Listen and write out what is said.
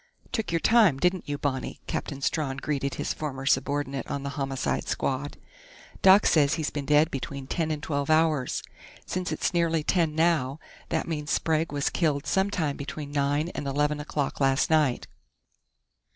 "Took your time, didn't you, Bonnie?" Captain Strawn greeted his former subordinate on the Homicide Squad. "Doc says he's been dead between ten and twelve hours. Since it's nearly ten now, that means Sprague was killed some time between nine and eleven o'clock last night."